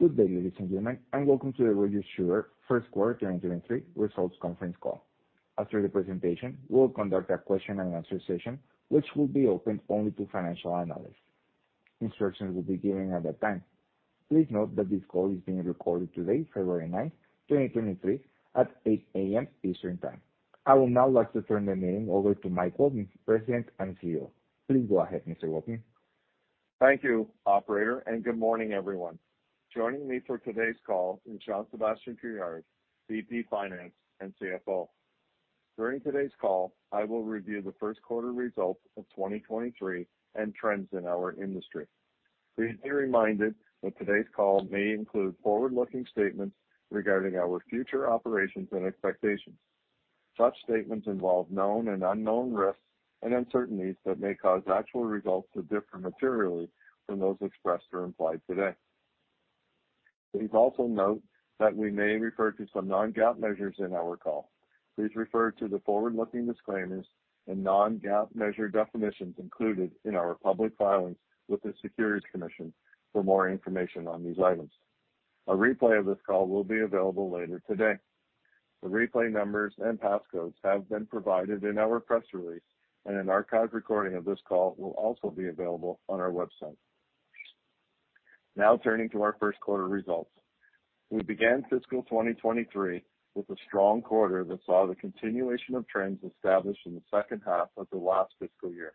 Good day, ladies and gentlemen, welcome to the Rogers Sugar Q1 2023 Results Conference Call. After the presentation, we'll conduct a question and answer session which will be open only to financial analysts. Instructions will be given at that time. Please note that this call is being recorded today, February 9th, 2023, at 8:00A.M. Eastern Time. I will now like to turn the meeting over to Mike Walton, President and CEO. Please go ahead, Mr. Walton. Thank you, operator, and good morning, everyone. Joining me for today's call is Jean-Sébastien Couillard, VP Finance and CFO. During today's call, I will review the Q1 results of 2023 and trends in our industry. Please be reminded that today's call may include forward-looking statements regarding our future operations and expectations. Such statements involve known and unknown risks and uncertainties that may cause actual results to differ materially from those expressed or implied today. Please also note that we may refer to some non-GAAP measures in our call. Please refer to the forward-looking disclaimers and non-GAAP measure definitions included in our public filings with the Securities Commission for more information on these items. A replay of this call will be available later today. The replay numbers and passcodes have been provided in our press release, and an archive recording of this call will also be available on our website. Now turning to our Q1 results. We began fiscal 2023 with a strong quarter that saw the continuation of trends established in the second half of the last fiscal year.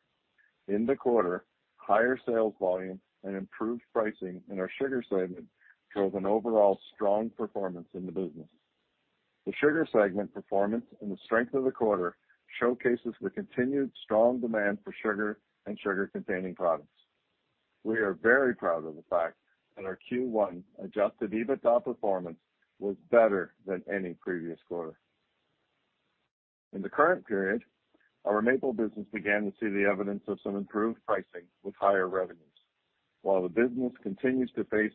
In the quarter, higher sales volume and improved pricing in our sugar segment drove an overall strong performance in the business. The sugar segment performance and the strength of the quarter showcases the continued strong demand for sugar and sugar-containing products. We are very proud of the fact that our Q1 Adjusted EBITDA performance was better than any previous quarter. In the current period, our maple business began to see the evidence of some improved pricing with higher revenues. While the business continues to face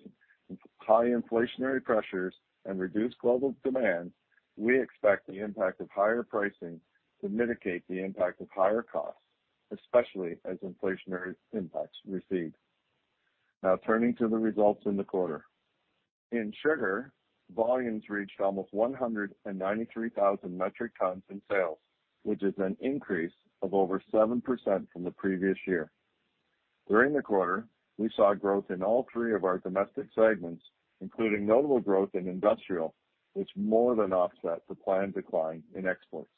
high inflationary pressures and reduced global demand, we expect the impact of higher pricing to mitigate the impact of higher costs, especially as inflationary impacts recede. Now turning to the results in the quarter. In sugar, volumes reached almost 193,000 metric tons in sales, which is an increase of over 7% from the previous year. During the quarter, we saw growth in all three of our domestic segments, including notable growth in industrial, which more than offset the planned decline in exports.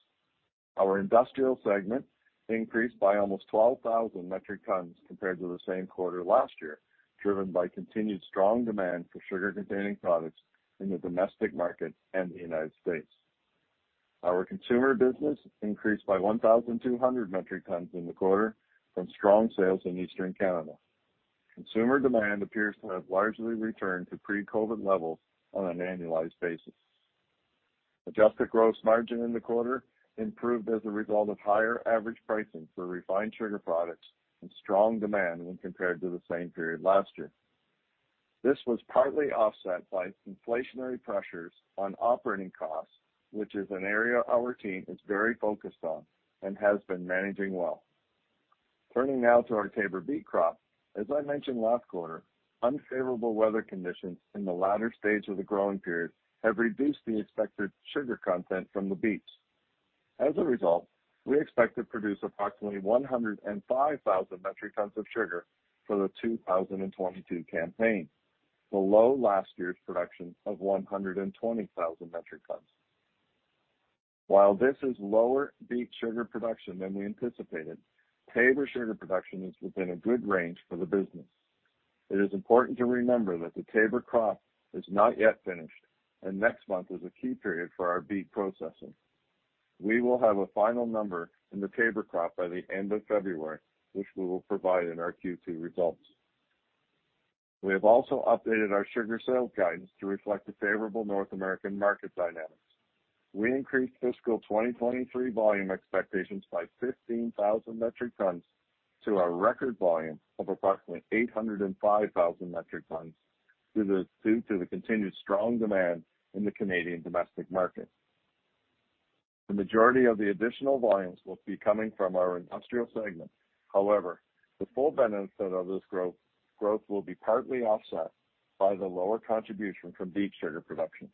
Our industrial segment increased by almost 12,000 metric tons compared to the same quarter last year, driven by continued strong demand for sugar-containing products in the domestic market and the United States. Our consumer business increased by 1,200 metric tons in the quarter from strong sales in Eastern Canada. Consumer demand appears to have largely returned to pre-COVID levels on an annualized basis. Adjusted Gross Margin in the quarter improved as a result of higher average pricing for refined sugar products and strong demand when compared to the same period last year. This was partly offset by inflationary pressures on operating costs, which is an area our team is very focused on and has been managing well. Turning now to our Taber beet crop. As I mentioned last quarter, unfavorable weather conditions in the latter stage of the growing period have reduced the expected sugar content from the beets. As a result, we expect to produce approximately 105,000 metric tons of sugar for the 2022 campaign, below last year's production of 120,000 metric tons. While this is lower beet sugar production than we anticipated, Taber sugar production is within a good range for the business. It is important to remember that the Taber crop is not yet finished, and next month is a key period for our beet processing. We will have a final number in the Taber crop by the end of February, which we will provide in our Q2 results. We have also updated our sugar sales guidance to reflect the favorable North American market dynamics. We increased fiscal 2023 volume expectations by 15,000 metric tons to a record volume of approximately 805,000 metric tons due to the continued strong demand in the Canadian domestic market. The majority of the additional volumes will be coming from our industrial segment. The full benefit of this growth will be partly offset by the lower contribution from beet sugar production.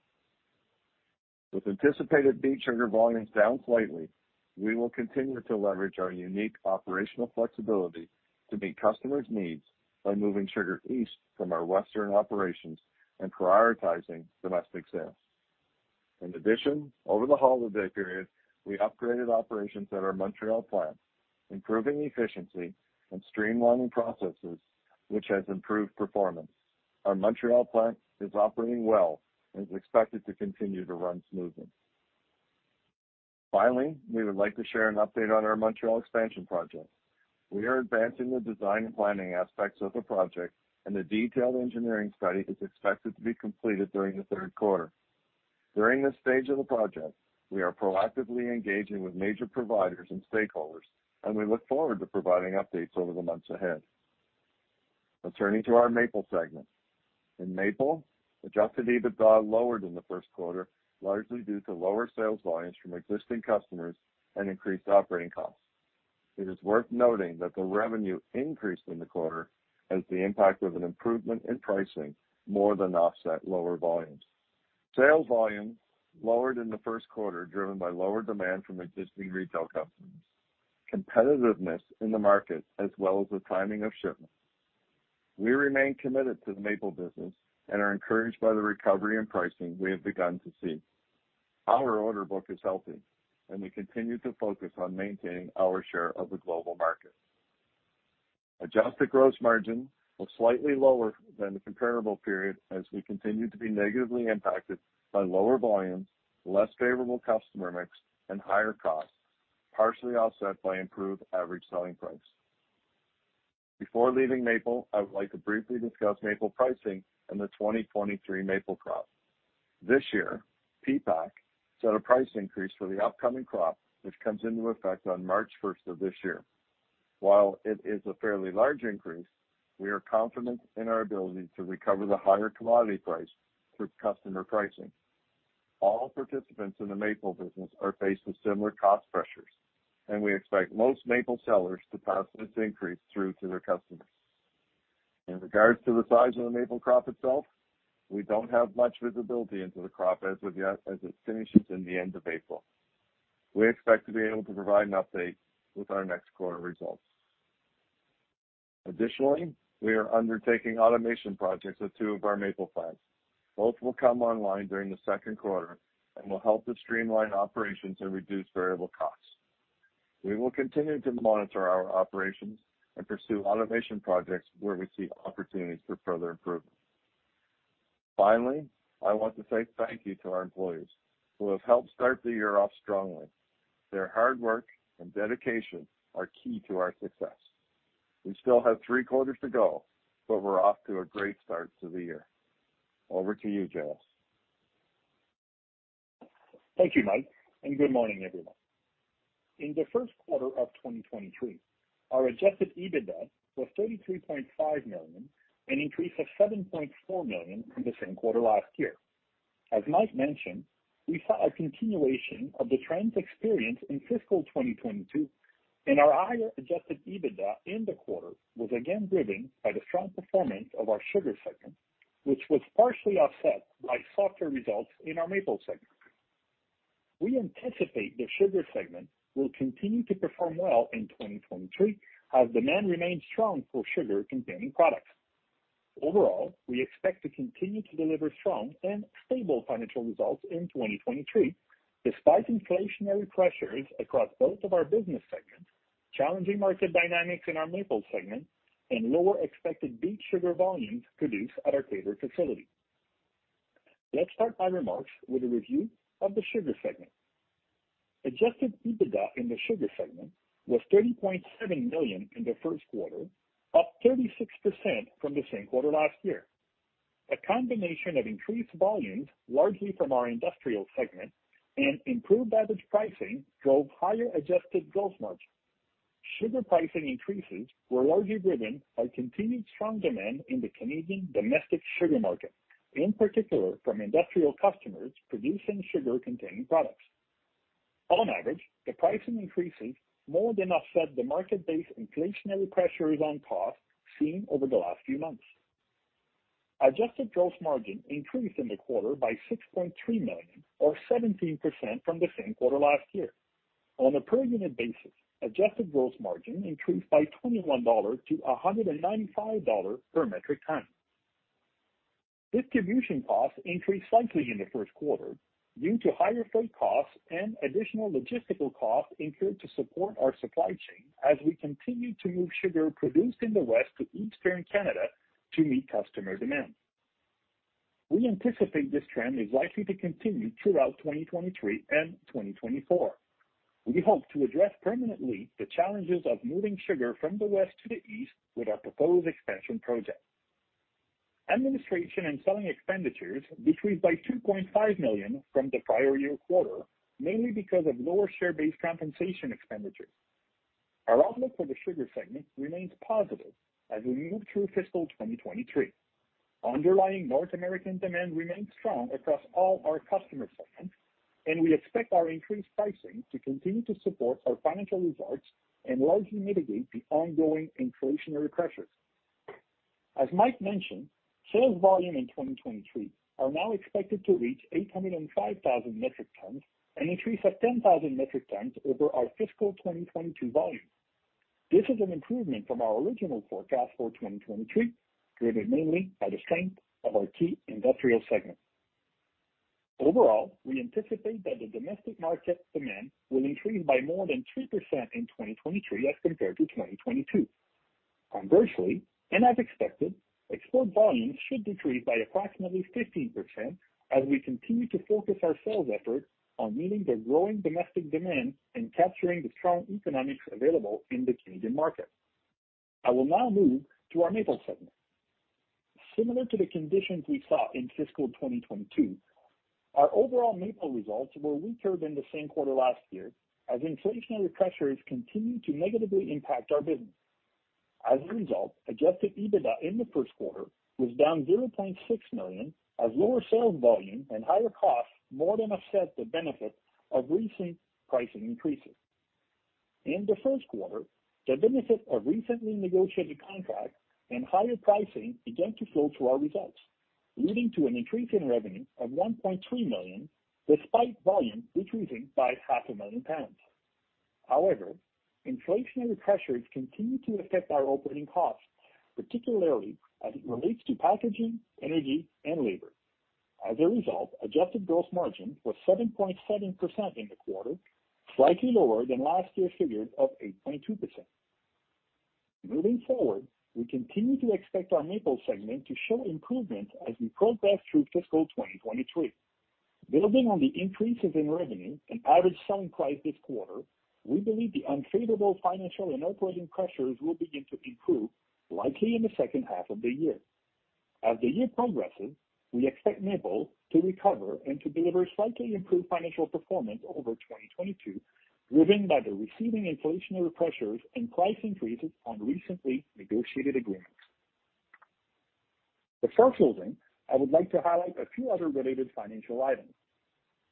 With anticipated beet sugar volumes down slightly, we will continue to leverage our unique operational flexibility to meet customers' needs by moving sugar east from our Western operations and prioritizing domestic sales. Over the holiday period, we upgraded operations at our Montreal plant, improving efficiency and streamlining processes, which has improved performance. Our Montreal plant is operating well and is expected to continue to run smoothly. We would like to share an update on our Montreal expansion project. We are advancing the design and planning aspects of the project, and the detailed engineering study is expected to be completed during the Q3. During this stage of the project, we are proactively engaging with major providers and stakeholders, and we look forward to providing updates over the months ahead. Now turning to our maple segment. In maple, Adjusted EBITDA lowered in the Q1, largely due to lower sales volumes from existing customers and increased operating costs. It is worth noting that the revenue increased in the quarter as the impact of an improvement in pricing more than offset lower volumes. Sales volume lowered in the Q1, driven by lower demand from existing retail companies, competitiveness in the market, as well as the timing of shipments. We remain committed to the maple business and are encouraged by the recovery and pricing we have begun to see. Our order book is healthy, and we continue to focus on maintaining our share of the global market. Adjusted Gross Margin was slightly lower than the comparable period as we continue to be negatively impacted by lower volumes, less favorable customer mix and higher costs, partially offset by improved average selling price. Before leaving maple, I would like to briefly discuss maple pricing and the 2023 maple crop. This year, PPAQ set a price increase for the upcoming crop, which comes into effect on March 1st of this year. It is a fairly large increase, we are confident in our ability to recover the higher commodity price through customer pricing. All participants in the maple business are faced with similar cost pressures. We expect most maple sellers to pass this increase through to their customers. In regards to the size of the maple crop itself, we don't have much visibility into the crop as of yet as it finishes in the end of April. We expect to be able to provide an update with our next quarter results. Additionally, we are undertaking automation projects at two of our maple plants. Both will come online during the Q2 and will help to streamline operations and reduce variable costs. We will continue to monitor our operations and pursue automation projects where we see opportunities for further improvement. Finally, I want to say thank you to our employees who have helped start the year off strongly. Their hard work and dedication are key to our success. We still have three quarters to go. We're off to a great start to the year. Over to you, JS. Thank you, Mike. Good morning, everyone. In the Q1 of 2023, our Adjusted EBITDA was 33.5 million, an increase of 7.4 million from the same quarter last year. As Mike mentioned, we saw a continuation of the trends experienced in fiscal 2022. Our higher Adjusted EBITDA in the quarter was again driven by the strong performance of our sugar segment, which was partially offset by softer results in our maple segment. We anticipate the sugar segment will continue to perform well in 2023 as demand remains strong for sugar-containing products. Overall, we expect to continue to deliver strong and stable financial results in 2023, despite inflationary pressures across both of our business segments, challenging market dynamics in our maple segment, and lower expected beet sugar volumes produced at our Taber facility. Let's start my remarks with a review of the sugar segment. Adjusted EBITDA in the sugar segment was 30.7 million in the Q1, up 36% from the same quarter last year. A combination of increased volumes, largely from our industrial segment, and improved average pricing drove higher Adjusted Gross Margin. Sugar pricing increases were largely driven by continued strong demand in the Canadian domestic sugar market, in particular from industrial customers producing sugar-containing products. On average, the pricing increases more than offset the market-based inflationary pressures on costs seen over the last few months. Adjusted Gross Margin increased in the quarter by 6.3 million or 17% from the same quarter last year. On a per unit basis, Adjusted Gross Margin increased by 21 dollars to 195 dollar per metric ton. Distribution costs increased slightly in the Q1 due to higher freight costs and additional logistical costs incurred to support our supply chain as we continue to move sugar produced in the west to eastern Canada to meet customer demand. We anticipate this trend is likely to continue throughout 2023 and 2024. We hope to address permanently the challenges of moving sugar from the west to the east with our proposed expansion project. Administration and selling expenditures decreased by 2.5 million from the prior year quarter, mainly because of lower share-based compensation expenditures. Our outlook for the sugar segment remains positive as we move through fiscal 2023. Underlying North American demand remains strong across all our customer segments, and we expect our increased pricing to continue to support our financial results and largely mitigate the ongoing inflationary pressures. As Mike mentioned, sales volume in 2023 are now expected to reach 805,000 metric tons, an increase of 10,000 metric tons over our fiscal 2022 volume. This is an improvement from our original forecast for 2023, driven mainly by the strength of our key industrial segment. Overall, we anticipate that the domestic market demand will increase by more than 3% in 2023 as compared to 2022. Conversely, and as expected, export volumes should decrease by approximately 15% as we continue to focus our sales effort on meeting the growing domestic demand and capturing the strong economics available in the Canadian market. I will now move to our maple segment. Similar to the conditions we saw in fiscal 2022, our overall maple results were weaker than the same quarter last year as inflationary pressures continued to negatively impact our business. As a result, Adjusted EBITDA in the Q1 was down 0.6 million, as lower sales volume and higher costs more than offset the benefit of recent pricing increases. In the Q1, the benefit of recently negotiated contracts and higher pricing began to flow through our results, leading to an increase in revenue of 1.3 million, despite volume decreasing by half a million pounds. However, inflationary pressures continue to affect our operating costs, particularly as it relates to packaging, energy, and labor. As a result, Adjusted Gross Margin was 7.7% in the quarter, slightly lower than last year's figure of 8.2%. Moving forward, we continue to expect our maple segment to show improvement as we progress through fiscal 2023. Building on the increases in revenue and average selling price this quarter, we believe the unfavorable financial and operating pressures will begin to improve likely in the second half of the year. As the year progresses, we expect maple to recover and to deliver slightly improved financial performance over 2022, driven by the receding inflationary pressures and price increases on recently negotiated agreements. Before closing, I would like to highlight a few other related financial items.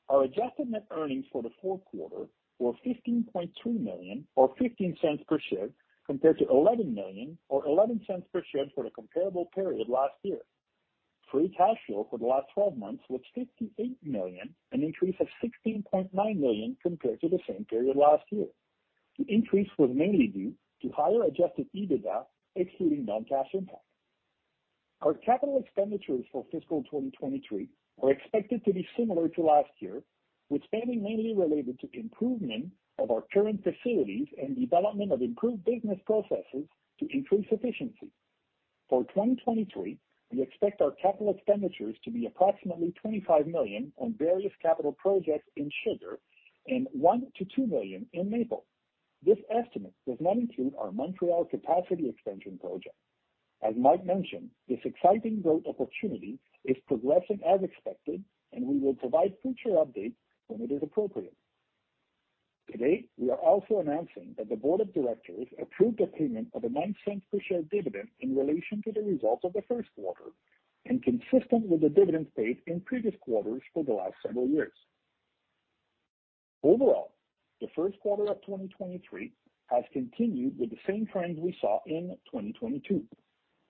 Our adjusted net earnings for the Q4 were 15.2 million or 0.15 per share, compared to 11 million or 0.11 per share for the comparable period last year. Free Cash Flow for the last 12 months was 58 million, an increase of 16.9 million compared to the same period last year. The increase was mainly due to higher Adjusted EBITDA, excluding non-cash impacts. Our capital expenditures for fiscal 2023 are expected to be similar to last year, with spending mainly related to improvement of our current facilities and development of improved business processes to increase efficiency. For 2023, we expect our capital expenditures to be approximately 25 million on various capital projects in sugar and 1 million-2 million in maple. This estimate does not include our Montreal capacity expansion project. As Mike mentioned, this exciting growth opportunity is progressing as expected. We will provide future updates when it is appropriate. Today, we are also announcing that the board of directors approved the payment of a 0.09 per share dividend in relation to the results of the Q1 and consistent with the dividends paid in previous quarters for the last several years. Overall, the Q1 of 2023 has continued with the same trends we saw in 2022.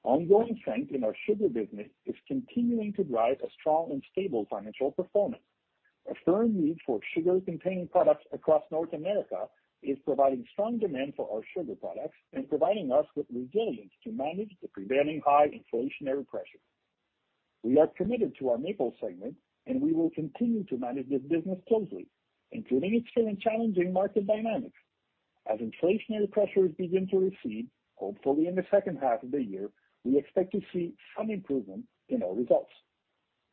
Ongoing strength in our sugar business is continuing to drive a strong and stable financial performance. A firm need for sugar-containing products across North America is providing strong demand for our sugar products and providing us with resilience to manage the prevailing high inflationary pressures. We are committed to our maple segment, and we will continue to manage this business closely, including its current challenging market dynamics. As inflationary pressures begin to recede, hopefully in the second half of the year, we expect to see some improvement in our results.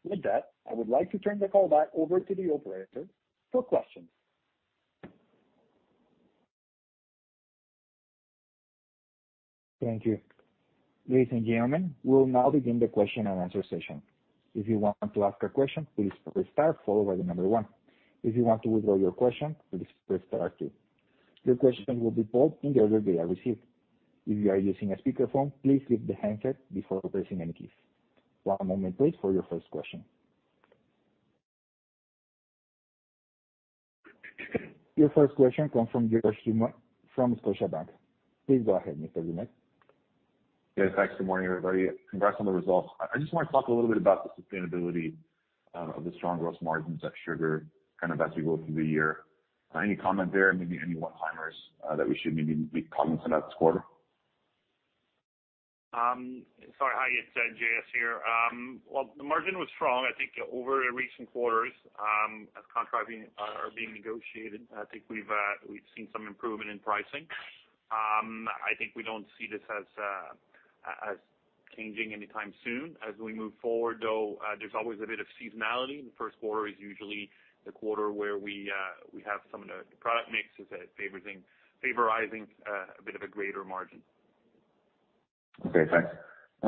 With that, I would like to turn the call back over to the operator for questions. Thank you. Ladies and gentlemen, we'll now begin the question and answer session. If you want to ask a question, please press star followed by the number one. If you want to withdraw your question, please press star two. Your question will be pulled in the order they are received. If you are using a speakerphone, please lift the handset before pressing any keys. One moment please for your first question. Your first question comes from Georges Doumet from Scotiabank. Please go ahead, Mr. Doumet. Yes, thanks. Good morning, everybody. Congrats on the results. I just want to talk a little bit about the sustainability of the strong gross margins at sugar kind of as we go through the year. Any comment there? Maybe any one-timers that we should maybe be cognizant of this quarter? Sorry. Hi, it's JS here. Well, the margin was strong. I think over recent quarters, as contracts are being negotiated, I think we've seen some improvement in pricing. I think we don't see this as changing anytime soon. We move forward, though, there's always a bit of seasonality. The Q1 is usually the quarter where we have some of the product mix is favoring a bit of a greater margin. Thanks. I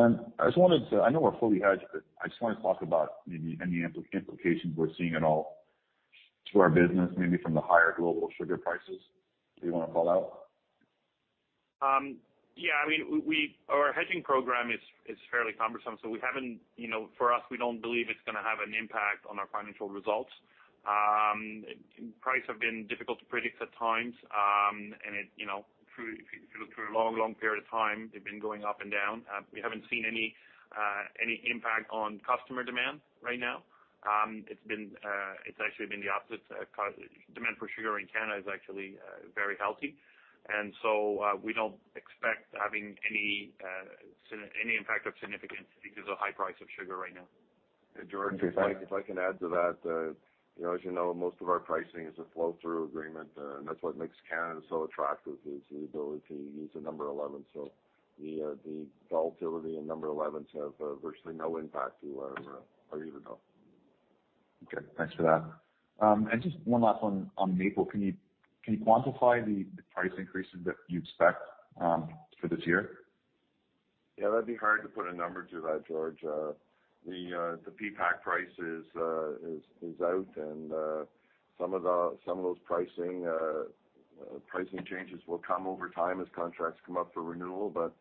know we're fully hedged, but I just wanted to talk about maybe any implications we're seeing at all to our business, maybe from the higher global sugar prices that you wanna call out. Yeah, I mean, we... Our hedging program is fairly cumbersome, so we haven't, you know, for us, we don't believe it's gonna have an impact on our financial results. Price have been difficult to predict at times. It, you know, through, if you look through a long, long period of time, they've been going up and down. We haven't seen any impact on customer demand right now. It's been, it's actually been the opposite. Demand for sugar in Canada is actually very healthy. We don't expect having any impact of significance because of high price of sugar right now. Georges, Mike, if I can add to that. You know, as you know, most of our pricing is a flow through agreement, and that's what makes Canada so attractive is the ability to use the number 11. The volatility in number 11s have virtually no impact to our year to date. Okay, thanks for that. Just one last one on maple. Can you quantify the price increases that you'd expect for this year? That'd be hard to put a number to that, George. The PPAC price is out, and some of those pricing changes will come over time as contracts come up for renewal. The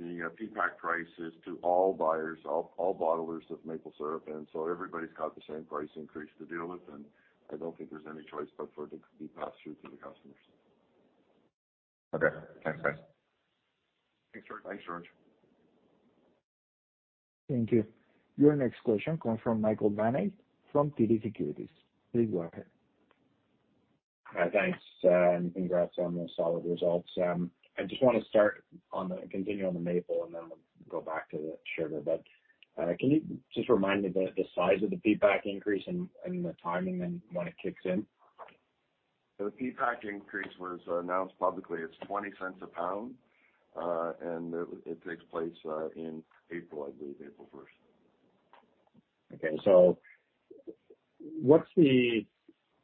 PPAC price is to all buyers, all bottlers of maple syrup, and so everybody's got the same price increase to deal with, and I don't think there's any choice but for it to be passed through to the customers. Okay. Thanks, guys. Thanks, George. Thanks, George. Thank you. Your next question comes from Michael Van Aelst from TD Securities. Please go ahead. Thanks, and congrats on those solid results. I just wanna continue on the maple, and then we'll go back to the sugar. Can you just remind me the size of the PPAC increase and the timing and when it kicks in? The PPAQ increase was announced publicly. It's 0.20 a pound, and it takes place in April, I believe, April first. What's the,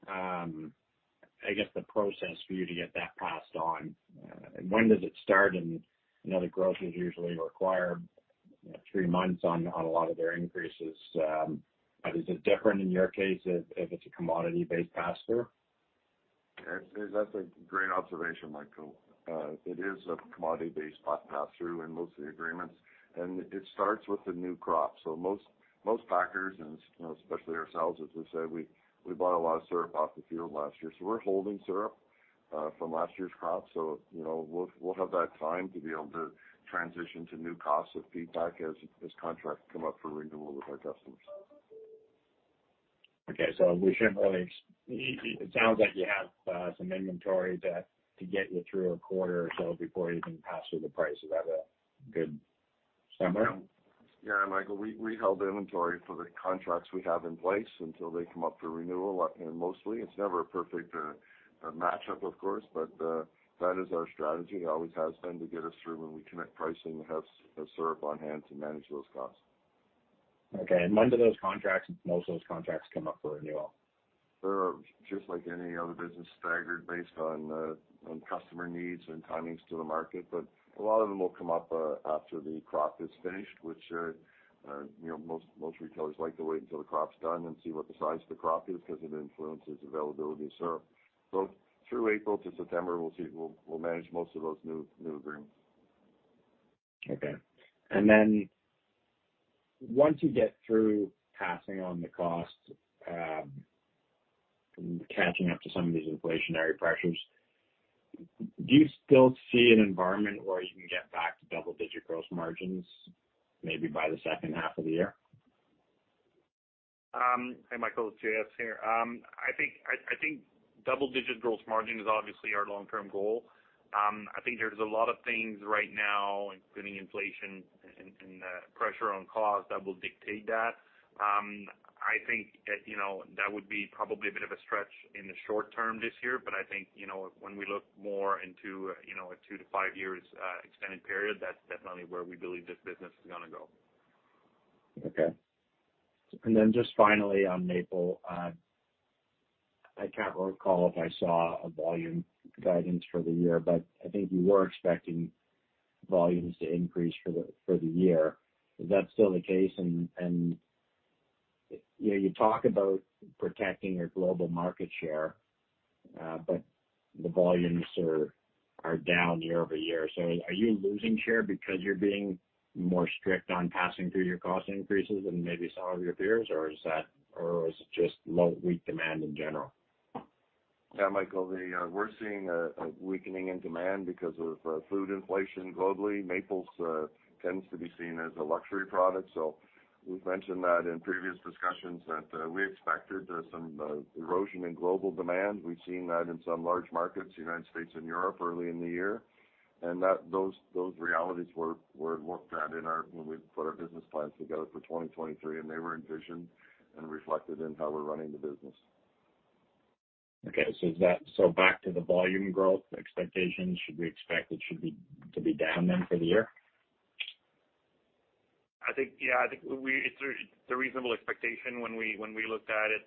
I guess, the process for you to get that passed on? When does it start? You know, the grocers usually require, you know, three months on a lot of their increases. Is it different in your case if it's a commodity-based pass-through? That's, that's a great observation, Michael. It is a commodity-based pass-through in most of the agreements, and it starts with the new crop. Most packers, you know, especially ourselves, as we said, we bought a lot of syrup off the field last year. We're holding syrup from last year's crop, so you know, we'll have that time to be able to transition to new costs of PPAC as contracts come up for renewal with our customers. Okay. It sounds like you have some inventory that, to get you through a quarter or so before you can pass through the price. Is that a good summary? Yeah, Michael, we held inventory for the contracts we have in place until they come up for renewal, you know, mostly. It's never a perfect match-up of course, but that is our strategy. It always has been to get us through when we commit pricing, to have syrup on hand to manage those costs. Okay, when do those contracts, most of those contracts come up for renewal? They're just like any other business, staggered based on customer needs and timings to the market. A lot of them will come up after the crop is finished, which, you know, most retailers like to wait until the crop's done and see what the size of the crop is, 'cause it influences availability of syrup. Through April to September, we'll manage most of those new agreements. Okay. Once you get through passing on the cost, catching up to some of these inflationary pressures, do you still see an environment where you can get back to double-digit gross margins maybe by the second half of the year? Hi, Michael, it's JS here. I think double-digit gross margin is obviously our long-term goal. I think there's a lot of things right now, including inflation and pressure on cost that will dictate that. I think, you know, that would be probably a bit of a stretch in the short term this year, but I think, you know, when we look more into, you know, a 2-5 years, extended period, that's definitely where we believe this business is gonna go. Okay. Just finally on maple, I can't recall if I saw a volume guidance for the year, but I think you were expecting volumes to increase for the year. Is that still the case? You know, you talk about protecting your global market share, but the volumes are down year-over-year. Are you losing share because you're being more strict on passing through your cost increases than maybe some of your peers, or is it just low, weak demand in general? Yeah, Michael, we're seeing a weakening in demand because of food inflation globally. Maples tends to be seen as a luxury product, so we've mentioned that in previous discussions that we expected some erosion in global demand. We've seen that in some large markets, United States and Europe, early in the year. That, those realities were looked at when we put our business plans together for 2023, and they were envisioned and reflected in how we're running the business. Okay. back to the volume growth expectations, should we expect it to be down then for the year? I think, yeah, we. It's a reasonable expectation when we looked at it.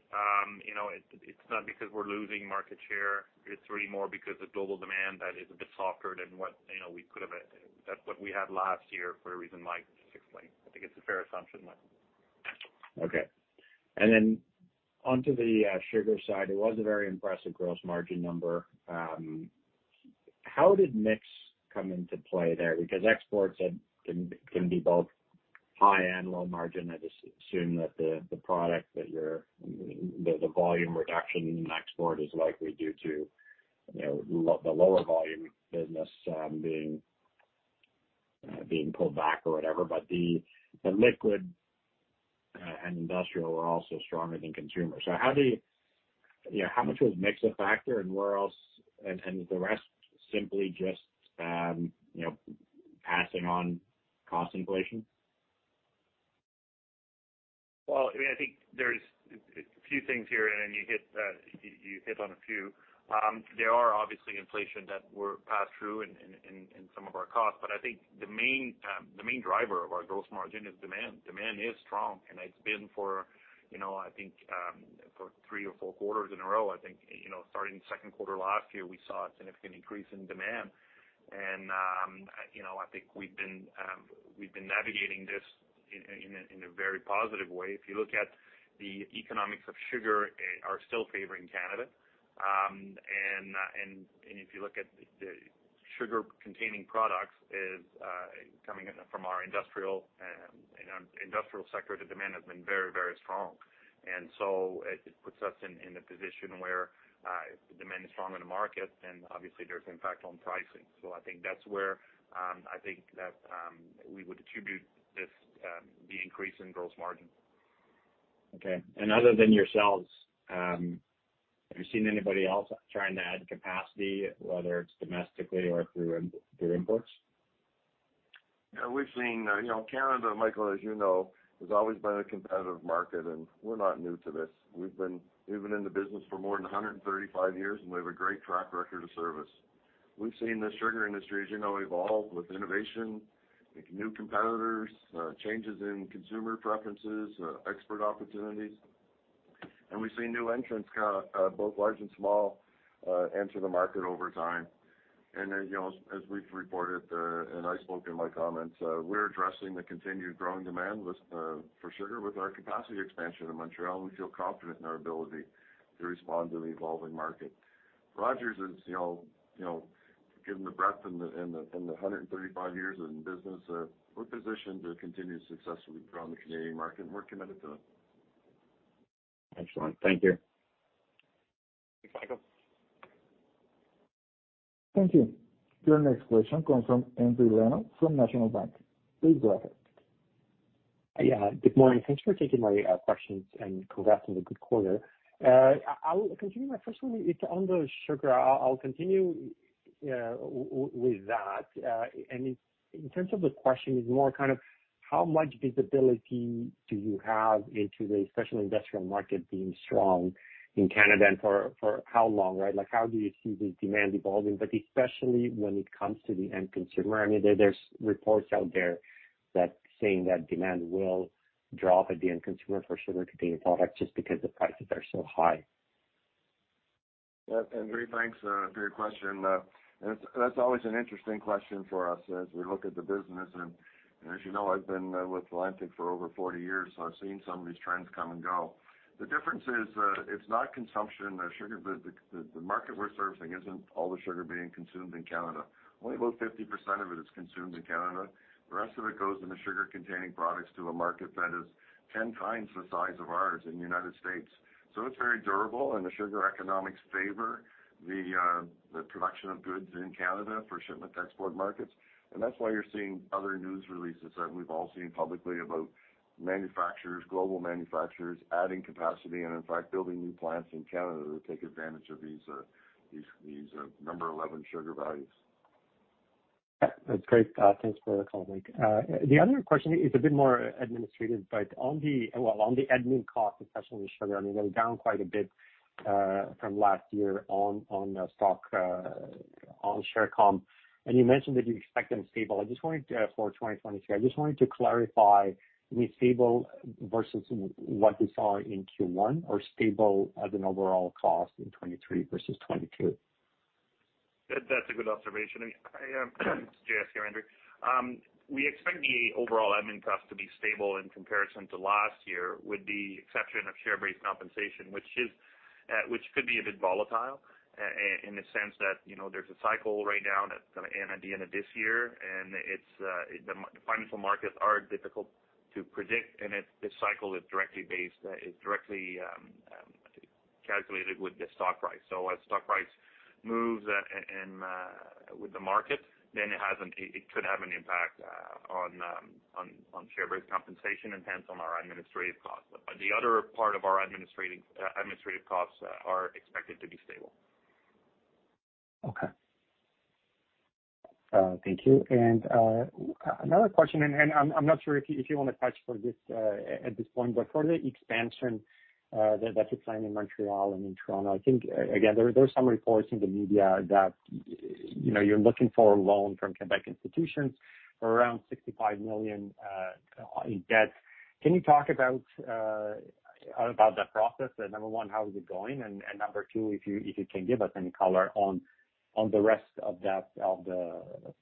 You know, it's not because we're losing market share. It's really more because of global demand that is a bit softer than what, you know, we could have than what we had last year for a reason Mike just explained. I think it's a fair assumption, Michael. Okay. Then onto the sugar side, it was a very impressive gross margin number. How did mix come into play there? Because exports can be both high and low margin. I'd assume that the product that you're, the volume reduction in export is likely due to, you know, the lower volume business, being pulled back or whatever. The liquid and industrial were also stronger than consumer. How do you know, how much was mix a factor and where else... is the rest simply just, you know, passing on cost inflation? Well, I mean, I think there's a few things here, and then you hit on a few. There are obviously inflation that were passed through in some of our costs, but I think the main driver of our gross margin is demand. Demand is strong, and it's been for, you know, I think, for Q3 or Q4 in a row. I think, you know, starting Q2 last year, we saw a significant increase in demand. You know, I think we've been navigating this in a very positive way. If you look at the economics of sugar are still favoring Canada, and if you look at the sugar containing products is coming in from our industrial sector, the demand has been very, very strong. It puts us in a position where demand is strong in the market and obviously there's impact on pricing. I think that's where we would attribute this, the increase in gross margin. Okay. Other than yourselves, have you seen anybody else trying to add capacity, whether it's domestically or through imports? Yeah, we've seen, you know, Canada, Michael, as you know, has always been a competitive market. We're not new to this. We've been in the business for more than 135 years, and we have a great track record of service. We've seen the sugar industry, as you know, evolve with innovation, new competitors, changes in consumer preferences, export opportunities. We've seen new entrants, both large and small, enter the market over time. You know, as we've reported, and I spoke in my comments, we're addressing the continued growing demand with for sugar with our capacity expansion in Montreal. We feel confident in our ability to respond to the evolving market. Rogers is, you know, given the breadth and the 135 years in business, we're positioned to continue to successfully grow in the Canadian market. We're committed to that. Excellent. Thank you. Thanks, Michael. Thank you. Your next question comes from Andrew Renaud from National Bank. Please go ahead. Yeah, good morning. Thanks for taking my questions and congrats on the good quarter. I will continue my first one. It's on the sugar. I'll continue with that. In terms of the question, it's more kind of how much visibility do you have into the special industrial market being strong in Canada and for how long, right? Like, how do you see the demand evolving, but especially when it comes to the end consumer? I mean, there's reports out there that saying that demand will drop at the end consumer for sugar-containing products just because the prices are so high. Yeah. Andrew, thanks for your question. That's always an interesting question for us as we look at the business. As you know, I've been with LANXESS for over 40 years, so I've seen some of these trends come and go. The difference is, it's not consumption of sugar. The market we're servicing isn't all the sugar being consumed in Canada. Only about 50% of it is consumed in Canada. The rest of it goes in the sugar containing products to a market that is 10x the size of ours in the United States. It's very durable and the sugar economics favor the production of goods in Canada for shipment to export markets. That's why you're seeing other news releases that we've all seen publicly about manufacturers, global manufacturers adding capacity and in fact, building new plants in Canada to take advantage of these No. 11 sugar values. Yeah. That's great. thanks for the call, Mike. The other question is a bit more administrative, but on the, well, on the admin cost, especially with sugar, I mean, they're down quite a bit, from last year on stock, on Share comp. You mentioned that you expect them stable. I just wanted for 2023. I just wanted to clarify with stable versus what we saw in Q1 or stable as an overall cost in 2023 versus 2022? That's a good observation. I, it's JS here, Andrew. We expect the overall admin cost to be stable in comparison to last year with the exception of share-based compensation, which is, which could be a bit volatile in the sense that, you know, there's a cycle right now that's gonna end at the end of this year. It's the financial markets are difficult to predict. If this cycle is directly calculated with the stock price. As stock price moves in with the market, then it could have an impact on share-based compensation and hence on our administrative costs. The other part of our administrative costs are expected to be stable. Okay. Thank you. Another question, and I'm not sure if you wanna touch for this at this point, but for the expansion that you're planning in Montreal and in Toronto, I think again, there are some reports in the media that, you know, you're looking for a loan from Quebec institutions around 65 million in debt. Can you talk about that process? Number one, how is it going? And number two, if you can give us any color on the rest of that, of the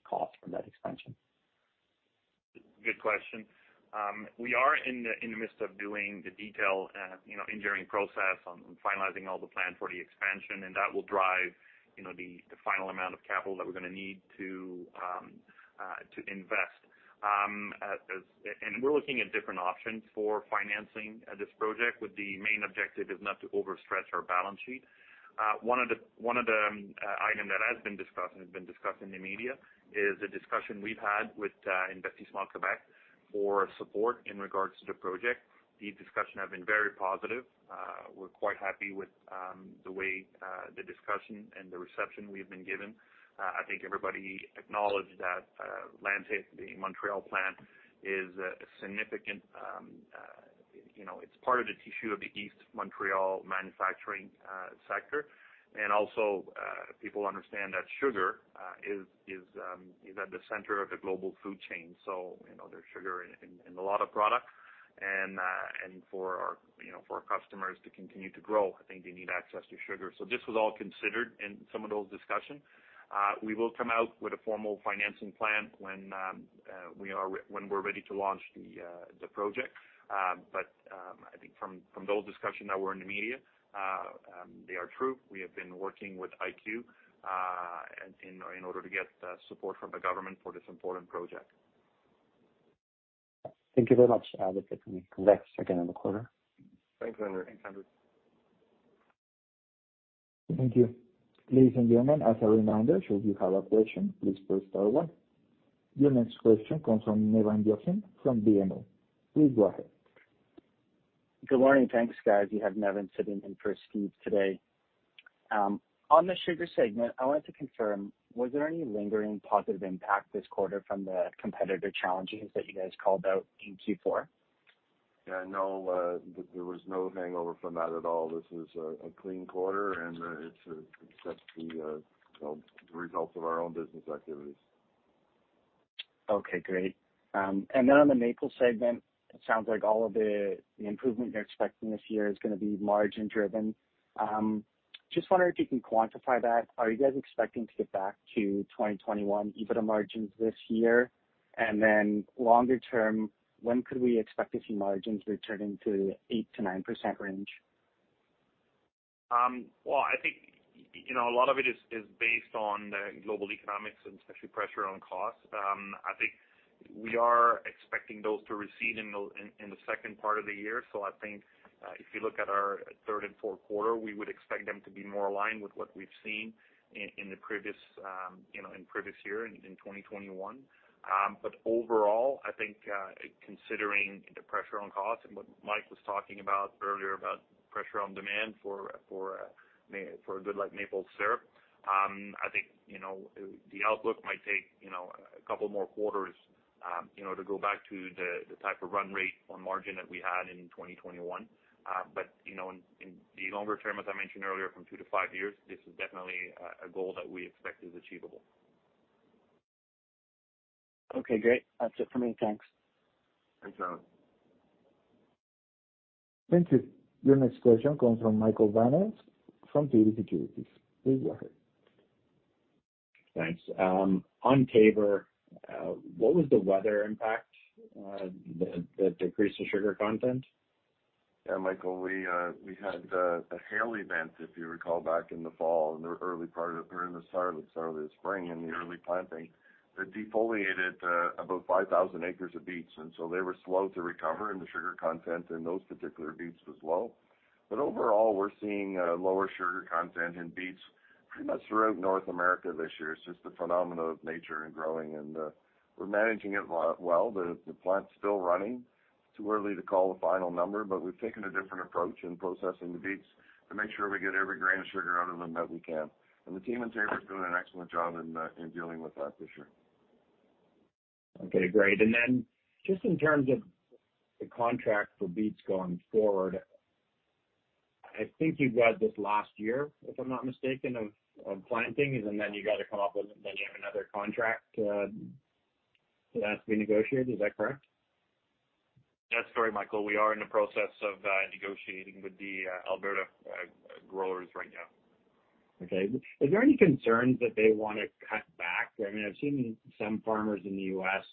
cost for that expansion. Good question. We are in the, in the midst of doing the detail, you know, engineering process on finalizing all the plan for the expansion, and that will drive, you know, the final amount of capital that we're gonna need to invest. We're looking at different options for financing this project with the main objective is not to overstretch our balance sheet. One of the item that has been discussed and has been discussed in the media is the discussion we've had with Investissement Québec for support in regards to the project. The discussion have been very positive. We're quite happy with the way the discussion and the reception we've been given. Uh, I think everybody acknowledged that, uh, Lanxess, the Montreal plant is a significant, um, uh, you know, it's part of the tissue of the East Montreal manufacturing, uh, sector. And also, uh, people understand that sugar, uh, is, is, um, is at the center of the global food chain. So, you know, there's sugar in, in a lot of products. And, uh, and for our, you know, for our customers to continue to grow, I think they need access to sugar. So this was all considered in some of those discussion. Uh, we will come out with a formal financing plan when, um, uh, we are-- when we're ready to launch the, uh, the project. Um, but, um, I think from, from those discussion that were in the media, uh, um, they are true. We have been working with IQ in order to get support from the government for this important project. Thank you very much. That's it for me. Next second of the quarter. Thanks, Andrew. Thank you. Ladies and gentlemen, as a reminder, should you have a question, please press star 1. Your next question comes from Neven Josipovic from BMO. Please go ahead. Good morning. Thanks, guys. You have Neven sitting in for Steve today. On the sugar segment, I wanted to confirm, was there any lingering positive impact this quarter from the competitor challenges that you guys called out in Q4? Yeah, no, there was no hangover from that at all. This was a clean quarter, and it's just the, you know, the results of our own business activities. Okay, great. On the maple segment, it sounds like all of the improvement you're expecting this year is gonna be margin driven. Just wondering if you can quantify that. Are you guys expecting to get back to 2021 EBITDA margins this year? Longer term, when could we expect to see margins returning to 8%-9% range? Well, I think, you know, a lot of it is based on the global economics and especially pressure on costs. I think we are expecting those to recede in the second part of the year. I think, if you look at our third and Q4, we would expect them to be more aligned with what we've seen in the previous, you know, in previous year in 2021. Overall, I think, considering the pressure on cost and what Mike was talking about earlier about pressure on demand for a good like maple syrup, I think, you know, the outlook might take, you know, a couple more quarters, you know, to go back to the type of run rate on margin that we had in 2021. You know, in the longer term, as I mentioned earlier, from two to five years, this is definitely a goal that we expect is achievable. Okay, great. That's it for me. Thanks. Thanks, Neven. Thank you. Your next question comes from Michael Van Aelst from TD Securities. Please go ahead. Thanks. On Taber, what was the weather impact, the decrease in sugar content? Yeah, Michael, we had a hail event, if you recall back in the fall, in the early part of or in the start, early spring in the early planting that defoliated about 5,000 acres of beets. They were slow to recover, and the sugar content in those particular beets was low. Overall, we're seeing lower sugar content in beets pretty much throughout North America this year. It's just a phenomena of nature and growing, and we're managing it well. The plant's still running. It's too early to call a final number, but we've taken a different approach in processing the beets to make sure we get every grain of sugar out of them that we can. The team in Taber is doing an excellent job in dealing with that for sure. Okay, great. Then just in terms of the contract for beets going forward, I think you've got this last year, if I'm not mistaken, of planting, and then you gotta come up with then you have another contract that has to be negotiated. Is that correct? That's correct, Michael. We are in the process of negotiating with the Alberta growers right now. Okay. Is there any concern that they wanna cut back? I mean, I've seen some farmers in the U.S.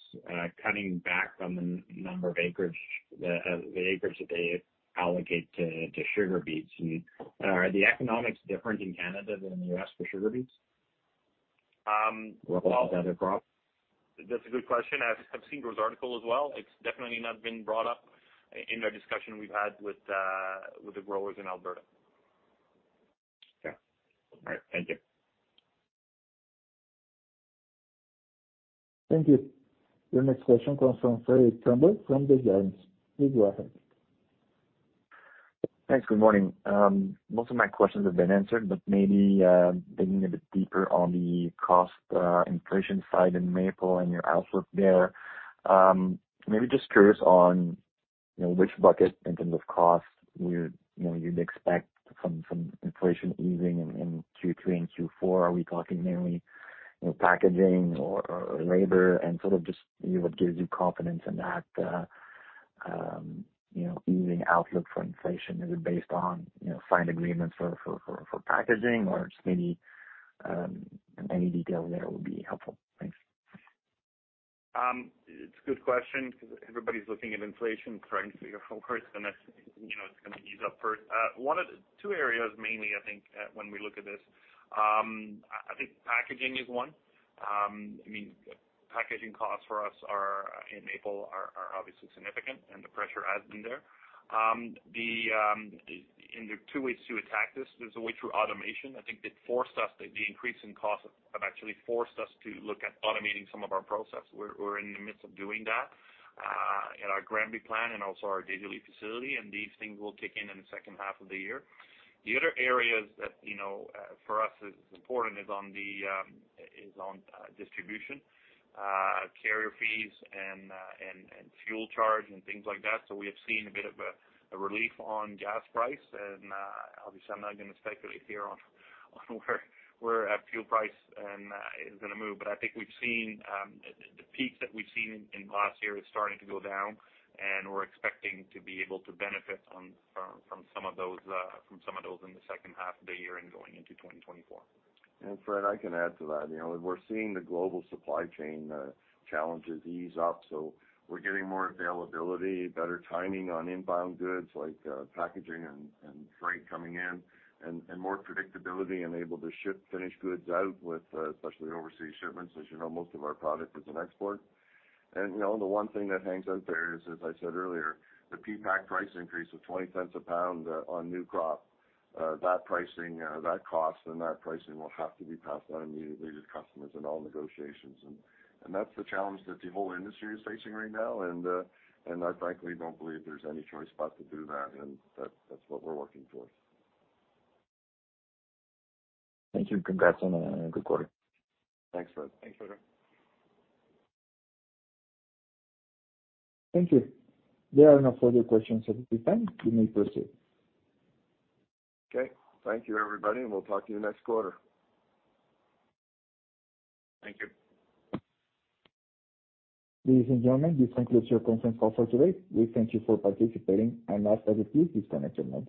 cutting back on the acreage that they allocate to sugar beets. Are the economics different in Canada than the U.S. for sugar beets? Um, well- Is that a problem? That's a good question. I've seen those articles as well. It's definitely not been brought up in our discussion we've had with the growers in Alberta. Okay. All right. Thank you. Thank you. Your next question comes from Frederic Tremblay from Desjardins. Please go ahead. Thanks. Good morning. Most of my questions have been answered, but maybe digging a bit deeper on the cost inflation side in maple and your outlook there. Maybe just curious on, you know, which bucket in terms of cost where, you know, you'd expect some inflation easing in Q3 and Q4. Are we talking mainly, you know, packaging or labor? Sort of just, you know, what gives you confidence in that, you know, easing outlook for inflation? Is it based on, you know, signed agreements for packaging or just maybe any detail there would be helpful. Thanks. It's a good question because everybody's looking at inflation, trying to figure out where it's gonna, you know, ease up first. One of the two areas mainly, I think, when we look at this, I think packaging is one. I mean, packaging costs for us are, in maple are obviously significant, and the pressure has been there. There are two ways to attack this. There's a way through automation. I think it forced us. The increase in costs have actually forced us to look at automating some of our process. We're in the midst of doing that in our Granby plant and also our Dieppe facility, and these things will kick in in the second half of the year. The other areas that, you know, for us is important is on the distribution, carrier fees and fuel charge and things like that. We have seen a bit of a relief on gas price. Obviously, I'm not gonna speculate here on where our fuel price is gonna move. I think we've seen the peak that we've seen in last year is starting to go down, and we're expecting to be able to benefit from some of those in the second half of the year and going into 2024. Fred, I can add to that. You know, we're seeing the global supply chain challenges ease up, we're getting more availability, better timing on inbound goods like packaging and freight coming in, and more predictability and able to ship finished goods out with especially overseas shipments. As you know, most of our product is an export. You know, the one thing that hangs out there is, as I said earlier, the PPAC price increase of 0.20 a pound on new crop. That pricing, that cost and that pricing will have to be passed on immediately to customers in all negotiations. That's the challenge that the whole industry is facing right now. I frankly don't believe there's any choice but to do that, and that's what we're working towards. Thank you. Congrats on a good quarter. Thanks, Fred. Thank you. There are no further questions at this time. You may proceed. Okay. Thank you, everybody, and we'll talk to you next quarter. Thank you. Ladies and gentlemen, this concludes your conference call for today. We thank you for participating. Ask that you please disconnect your lines.